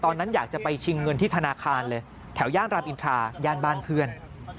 อยากจะไปชิงเงินที่ธนาคารเลยแถวย่านรามอินทราย่านบ้านเพื่อน